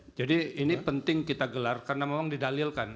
terima kasih halil jadi ini penting kita gelarkan karena memang didalilkan